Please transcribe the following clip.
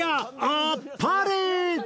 あっぱれ！